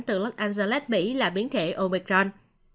từ los angeles mỹ là biến thể omicron